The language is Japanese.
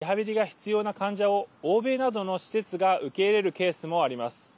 また義肢やリハビリが必要な患者を欧米などの施設が受け入れるケースもあります。